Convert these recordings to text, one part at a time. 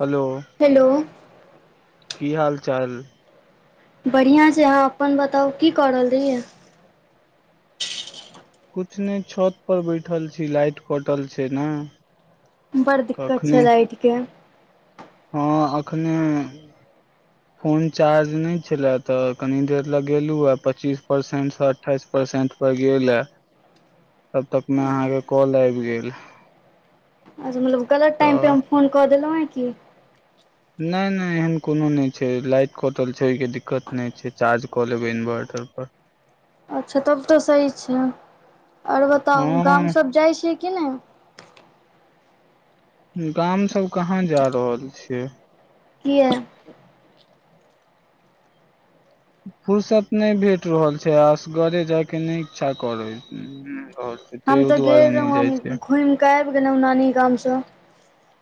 hello hello की हाल चाल बढ़िआँ छै अहाँ अपन बताउ की कऽ रहलियै यै कुछ नैय छत पर बैठल छी लाइट कटल छैय न बड़ दिक्कत छै लाइटके हँ एखने [inaudible] फोन चार्ज नहि छलए तऽ कनि देर लगेलहुँ हँ पच्चीस परसेंटसँ अठाईस परसेंट पर गेल ये [inaudible] तब तक मे अहाँके कॉल आबि गेल अच्छा मतलब गलत टाइमपर तऽ हम फोन कऽ देलहुँ हँ कि नहि नहि एहन कोनो नहि छै लाइट कटल छै ओहि के दिक्कत नहि छै चार्ज कऽ लेबै इन्वर्टर पर अच्छा तब तऽ सही छै आओर बताउ हँ गामसभ जाइ छियै कि नै गाम सब कहाँ जा रहल छियै किया फुुरर्सत नहि भेट रहल छै आसगरे जायके नहि इच्छा करै हम तऽ गेल रहौ हम घुमि कऽ आबि गेलहुँ नानी गामसँ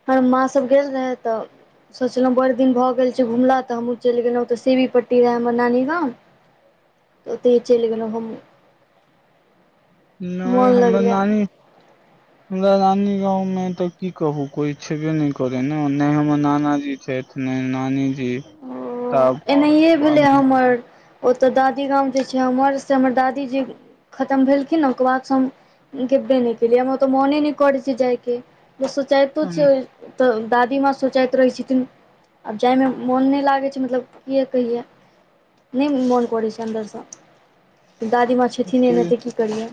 हमर माँ सब गेल रहै तऽ सोचलहुँ बड़ दिन भऽ गेल छै घुला तऽ हमहूँ चलि गेलहुँ तऽ सेवी पट्टी रहय हमर नानी गांव ओतहि चैल गेलहुँ घुमै नहि मोन हमर लगलै नानी [inaudible] हमरा रानी गाँवमे तऽ की कहू कोइ छेबै नहि करै ने नहि हमर नानाजी छथि नै नानी जी ओ एनाहिए भेलै हमर ओतऽ दादी गाम जे छै हमर से हमर दादीजे खतम भेलखिन ओकर बादसँ हम गेबे नहि केलियै हम ओतऽ मोने नहि करैत छी जायके ओ सोचायत छै तऽ दादीमाँ सोचैत रहै छथिन आब जाइमे मोन नहि लागै छै मतलब क कहि नहि मोन करै छै अन्दरसँ दादी मां छथिन एना तऽ की करियै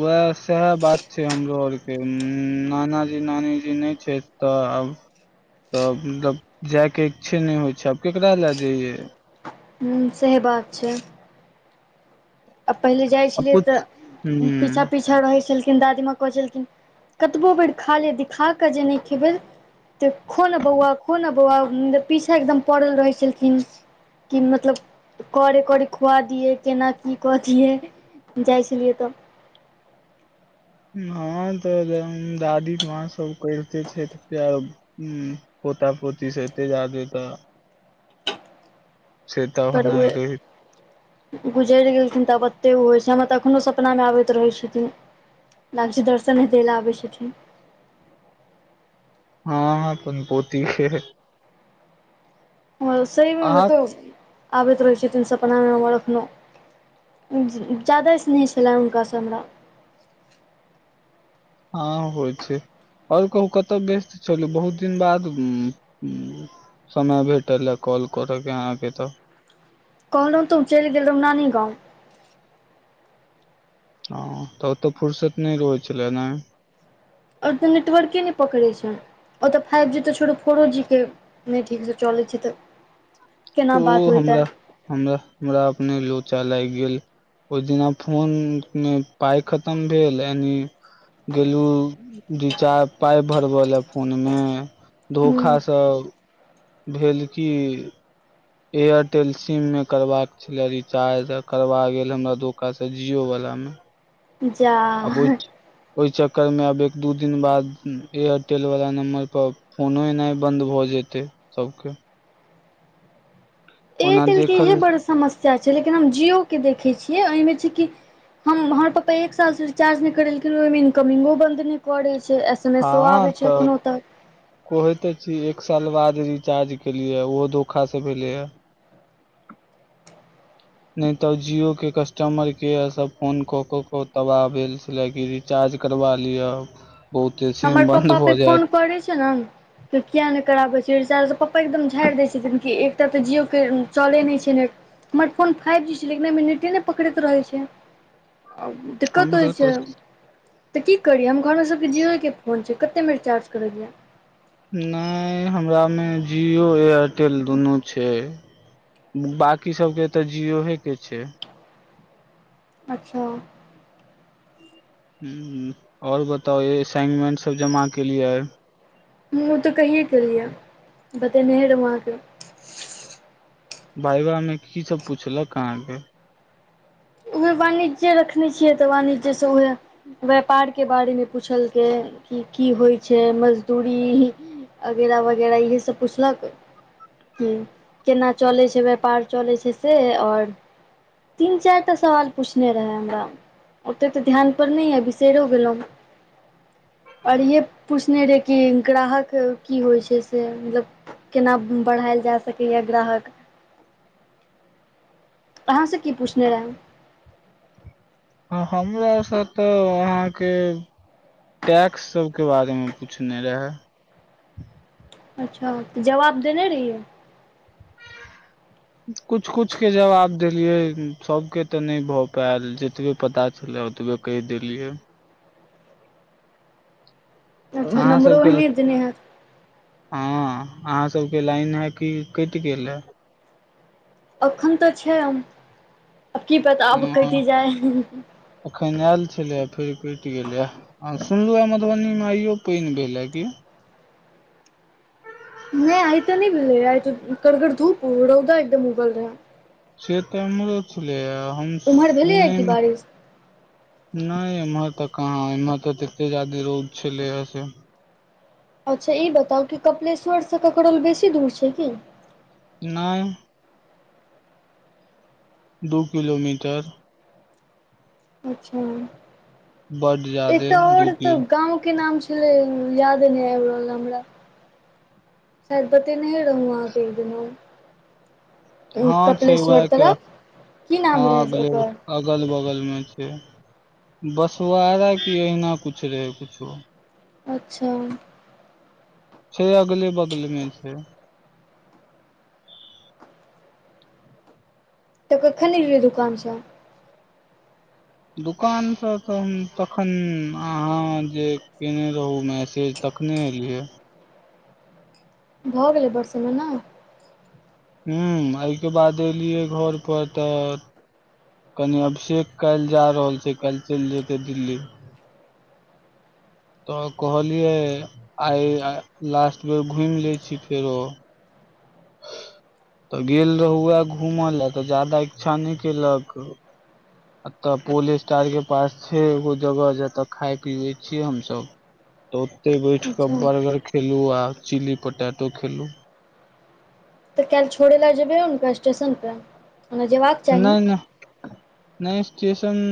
उएह सएह बात छै हमरो आरके नानाजी नानी जी नहि छैथ तऽ आब तबलब जायके इच्छे नहि होइ छै आब केकरा लए जइयै हू सहि बात छै आ पहिले जाइ आब छलियै तऽ कुछ पीछा ह पीछ पिछा रहै छलखिन दादीमााँ कहै छलखिन कतबो बेर खा ले खा के जे नैय खैबे तऽ खो ने बौआ खो ने बौआ पीछा एकदम पड़ल रहै छलखिन कि मतलब करे करे खुआ दियए केना की कऽ दियै जाइ छलियै तऽ आहां तऽ दादी माँ सब करिते छै प्यार ह पोता पोति से अते जादे तऽ से तऽ पर होनाइ रहै ओ गुजरि गेलखिन तऽब ओतेक ओ होइ छै हमरा तऽ एखनो सपनामे आबैत रहैत छथिन लाग छै दर्शन दै लए आबै छथिन हँ अपन पोती के सही में अहाँ देखियो आबैत रहै छथिन सपनामे हमर एखनो जादे स्नेह छलै हुनकासँ हमरा हँ होइ छै आओर कहू कतहु व्यस्त छलू बहुत दिन बाद समय भेटल ह कॉल करऽके अहाँके तऽ कहलौ तऽ उऽ चलि गेल रहुँ नानी गाँव ह तऽ ओतअ फुरसत नइ रहै छलै न एतअ नेटवर्के नैय पकड़ै छैय अतअ फाइव जी तऽ छोड़ू फोरो जी कऽ नइ ठीकसँ चलै छै तऽ त केना ओ बात होइत हमरा हमरा हमरा अपने लोचा लागि गेल ओहि दिना फोन मे पाय खतम भेल यानि गेलु रिचार्ज पाय भर बऽ लेऽ फोन मे हूँ धोखा सँ भेल की एयरटेल सिम म करबाक छलै रिचार्ज करबा गेल हमरा धोकासँ जिओ वला मे जा आब ओय ओय चक्कर मे आब एक दू दिन बाद एयरटेल वला नम्बर पर फोनो एनाइ बन्द भऽ जेतै सब केय ओना एयरटेलके इएहे देखल बड़ समस्या छै लेकिन हम जियओके देखै छियै एहिमे छै कि हम हमर पापा एक साल से रिचार्ज नहि करेलखिन ओहिमे इनकमिंगो बन्द नहि करे छै एस एमेसो हँ आबै छै तऽ एखनो तक कहैत तऽ छी एक साल बाद रिचार्ज केलियै ओहो धोखासँ भेलै यऽ नहि तऽ जियो के कस्टमर केय सब फोन क क के तबाह भेल छला की रीचार्ज करबा लिय हमर पपा पे फोन करै छै नऽ किया नहि कराबै छै रिचार्जसँ पपा एकदम झाड़ि दै छथिन कि एक एतऽ तऽ जिओके चलै नहि छै नेट हमर फोन फाइव जी छै लेकिन एहिमे नेट नेटे नहि पकड़ैत रहै छै आ दिक्कत हमरो होइत तऽ छै तऽ की करियै हम घर मे सबके जिओके फोन छै कते बेर चार्ज करलियै नहि हमरा मे जिओ एयरटेल दुनू छै बाकी सबके तऽ जियोहे के छै अच्छा हुँ और बताउ असाइनमेंट सब जमा केलियै ओ तऽ कहि केलियै बतेनहे रहुँ आहाँके भाइबा मे की सब पूछलक अहाँके उहे वाणिज्य रखने छियै तऽ वाणिज्यसँ उहे व्यापार के बारेमे पूछलक कि की होइ छै मजदूरी अगैरह वगैरह इहे सब पुछलकै की केना चलै छै व्यापार चलै छै से और तीन चार टा सवाल पूछने रहै हमरा ओते तऽ ध्यान पर नइ य बिसेरो गेलहुँ और इहे पूछने रहय कि ग्राहक की होइ छै से मतलब केना बढ़ायल जा सकै ए ग्राहक आहाँ से की पूछने रहै हमरा सँ तऽ अहाँके टैक्स सबके बारे मे पूछने रहै अच्छा तऽ जवाब देने रहियै [unintelligible] कुछ कुछ के जवाब देलियै सभके तऽ नइ भऽ पैल जतबे पता छलै ओतबे कैह देलियै अच्छा अहाँ नम्बरो सबके ओहने देने हैत हँ अहाँ सबके लाइन है की कैट गेल हे अखन तऽ छै आब की बता आब कटि जाइ अखन आयल छलैए फेर कैट गेलै आ सुनलु ह मधुबनी मे आइयो पैन भेलै हे कि नहि आइ तऽ नहि भेलै रहै आइ त कड़गड़ धूप रौदा एकदम उगल रहै से तऽ हमरोै छ्लो हम उम्हर भेलैए कि सुनेमे बारिश नहि इम्हर तऽ कहाँ एम्हर तऽ तते जादे रोड छले ह से अच्छा ई बताउ कि कपिलेश्वरसँ ककरौल बेसी दूर छै की नइ दू किलोमीटर अच्छा बड एक जादे तऽ दू और तऽ किलो गाँव के नाम ले याद नइ आइब रहल हमरा शायद बतेनहे रहौं आहां के इ दुनु उ हँ छै वएह कपिलेश्वर के तरफ की हँ नाम रहै अगले ओकर अगल बगल मे छै बसुआरा की अहिना कुछ रहे कुछो अच्छा छै अगले बगले मे छै तऽ कखन एलिए दुकानसँ दुकान से तऽ हम तखन अहाँ जे केने रहौ मैसेज तखने एलियै भऽ गेलै बसमे न हूं अइके बाद एलियै घर पर तऽ कनि अभिषेक काल्ह जा रहल छै काल् चलि जेतै दिल्ली तऽ कहलियै आइ लास्ट बेर घूमि ले छी फेरो तऽ गेल रहुए घूमय लए तऽ जादा इच्छा नइ केलक एतए पोल स्टार के पास छै एगो जगह जते खाय पीवे छीयै हमसब ह [inaudible] तऽ ओतय बैठ कऽ बर्गर खेलूं आ चिली पोटैटो खेलूं तऽ काल्हि छोड़ै लए जेबै हुनका स्टेशनपे ओना जेयबाक नइ नइ नइ स्टेशन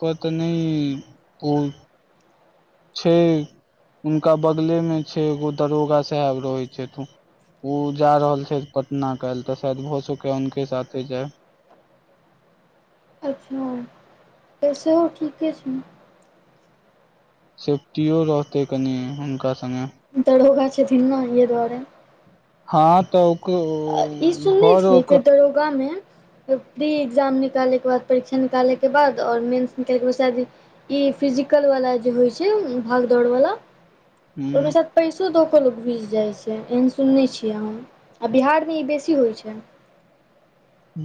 पर तऽ नइ कोइ छै उनका बगले मे छै एगो दरोगा साहेब रहै छथु उ जा रहल छै पटना काल्ह तऽ शायद भ सकै हुनके साथे जाय अच्छा सेहो ठीके छै सेफ्टीयो रहतै कनि हुनका सङ्गे दरोगा छथिन ने ए दुआरे हँ तऽ ओक ई सुनने छियै कि से दरोगामे प्री एग्जाम निकालैके बाद परीक्षा निकालैके बाद आओर मेन्स निकालैके बाद शायदी ई फिजिकल वाला जे होइ छै भाग दौड़ वाला ओइ मे हूँ शायद पैसो द को लोग घुस जाइ छै एहन सुनने छियै हम आ बिहार ई बेसी होइ छै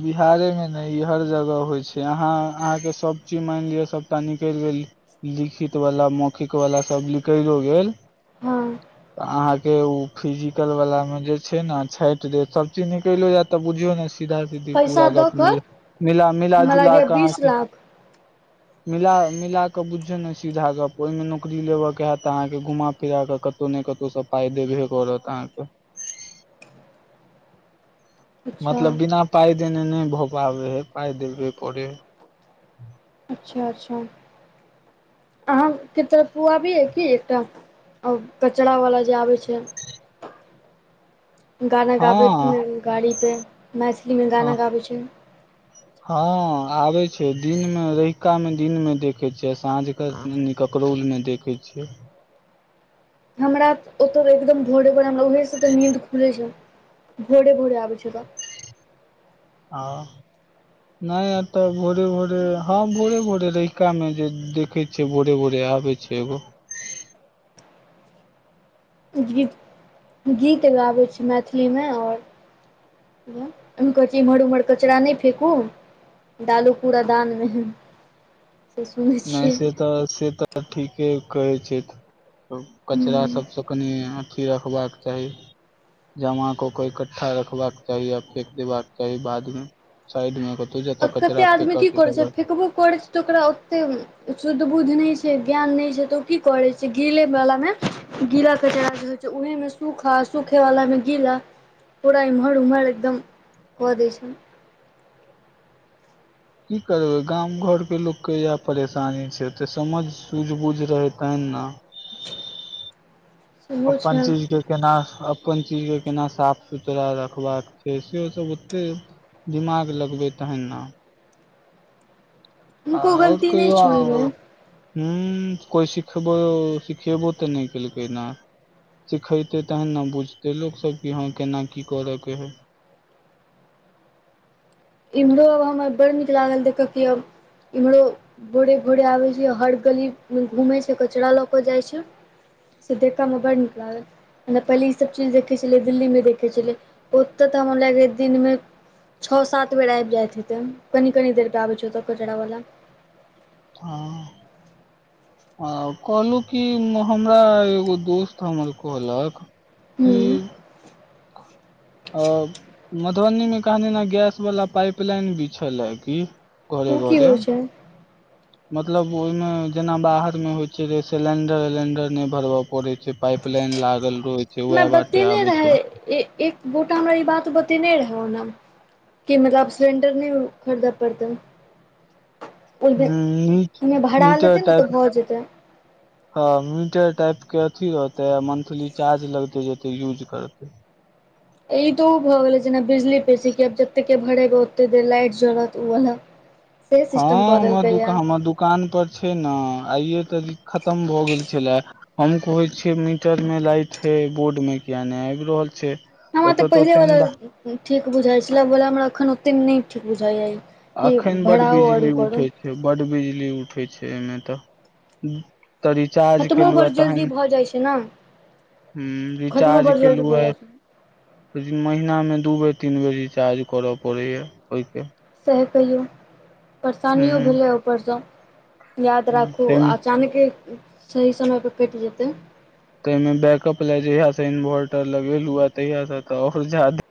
बिहारे मे नइ ई हर जगह होइ छै अहाँ अहाँके सभ चीज मानि लिअ सभटा निकलि गेल लिखित वला मौखिक वाला सब निकैलो गेल हँ अहाँ के उ फिजिकल वाला में जे छै ने छांइट देत सब चीज निकलो जायत तऽ बुझियौ न सीधा सीधी पैसा पूरा दऽ गप कऽ मे मिला मिला हमरा जुला लागैए क आहाँ बीस के लाख मिला मिलाकेश बुझिऔ न सीधा गप ओइ मे नौकरी लेब के होयत अहाँके घुमा फिरा के कतौ ने कतहु सब पाय देबहे परत अहाँके अच्छा मतलब बिना पाइ देने नइ भऽ पाबै है पाइ देबहे परै है अच्छा अच्छा अहां के तरफ पुआबी अए की एकटा कचड़ा वाला जे आबै छै गाना गाबैत हँ गाड़ीपर मैथिलीमे हँ गाना गाबै छै हँ आबे छै दिन मे रहिका में दिन मे देखै छिय साँझ के ककरौल मे देख के छियै हमरा ओत एकदम भोरे भोरे हमरा उहे से तऽ नीद खुले छै भोरे भोरे आबै छै तऽ आं नहि एटा भोरे भोरे हँ भोरे भोरे रहिका मे जे देखे छ भोरे भोरे आबै छै एगो गीत गीत गाबैत छी मैथिलीमे आओर हम कहै छिय एमर उमहर कचरा नहि फेेकू डालू कूड़ा दानमे नहि से तऽ से तऽ ठीके कहै छै कचरा सबसँ कनि अथी रखबाक चाही जमा को कोई इकठ्ठा रखबाक चाही य फेेक देबाका चाही बाद मे साइड मे तू जेता कचराके फ़ेक कें जगह ओब को [inaudible] तऽ ओकरा ओतेक शुद्ध बुद्ध नहि छै ज्ञान नहि छै तऽ ओ की करै छै गीरैवलामे गीला कचड़ा जे रहै छै उहेमे सूखा सूखे वाला मे गीला पूरा इम्हर उमहर एकदम क दै छै की करबै गाम घरके लोकके इएह परेशानी छै तऽ समझ सूझ बूझ रहे तन ने [unintelligible] अपन छै चिज के केना अपन चीज के केना साफ सुथरा रखबाक छै से सब ओते दिमाग लगबे तहन ने हुनको आओर गलती नहि कहियौ छौ अहाँ उ ओहिमे हुँ कोई सिखबो सिखेबो तऽ नहि केलकैना सिखेते तहन ने बुझते लोक सब कि हँ केना की करय के हइ इम्हरो आब हमरा बड़ नीक लागल देखयके अब इम्हरो भोरे भोरे आबे छै हर गली मे घूमे छै कचरा ल के जाय छै सिद्धे काममे बड़ निकलाग [inaudible] म पहिले ईसभ चीज देखै छलियै दिल्लीमे देखै छलियै ओतय तऽ हमरा लागै दिनमे छओ सात बेर आब जाइत हेतै कनि कनी देर पे आबैत छै ओतय कचरा वला हँ आ कहलहु की हमरा एगो दोस्त हमर कहलक हूँ की [unintelligible] अ मधुबनी मे कहने ने गैस वाला पाइप लाइन भी छलए की घरे ओ कि घरे होई छै मतलब ओहिमे जेना बाहर मे होइ छै रे सिलेंडर उलेंडर नहि भरबय पड़ैत छै पाइप लाइन लागल रहे छै वएह हमरा बाटे बतेने आबे छै रहै एक गोटा हमरा ई बात बतेने रहौ ने कि मतलब सिलंडर नहि खरीदा परतै हूँ ओमे भरा मीटर लते ने टाइप तऽ भऽ जेतै हँ मीटर टाइप के अथी रहतै मंथली चार्ज लगते जेतै यूज करतै ई तो भऽ गेले जेना बिजली पसी क आब जते के भरेबे ओते देर लाइट जोड़त उ वाला [unintelligible] हँ हमर दुकान हमर दुकान पर छै ने आइे तऽ खतम भऽ गेल छले हम कहै छियै मीटर में लाइट हे बोर्ड मे किया नहि आब रहल छै हमरा तऽ ओते तो पहिलेवला टेंडर ठीक बुझाइ छलवला हमरा एखन ओतेक नहि ठीक बुझाइए कि अखन बड भराउ और बिजली करो उठे बड बिजली उठै छै एहिमे तऽ तऽ रिचार्ज खत्मो केलहुँ बड़ जल्दी तहन भऽ जाइ छै ने हुँ खत्मो रिचार्ज बड़ जल्दी केलहुँ भऽ जाइ छै या महिना मे दू बेर तीन बेर रिचार्ज करऽ पड़ै या ओहिके सएह कहियौ परेशानियो भेलै ऊपरसँ याद राखू ह अचानक सही समयपर कटि जेतै ताहिमे बैकअप लए जहियासँ इन्वर्टर लगेलहु हँ तहियासँ तऽ आओर जादे